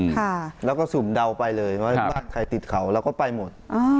ค่ะแล้วก็สุ่มเดาไปเลยว่าบ้านใครติดเขาเราก็ไปหมดอ่า